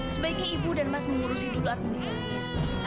sebaiknya ibu dan mas mengurusin dulu administrasinya